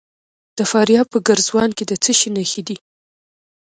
د فاریاب په ګرزوان کې د څه شي نښې دي؟